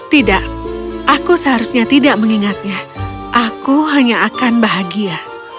tidak aku seharusnya tidak mengingatnya aku hanya akan bahagia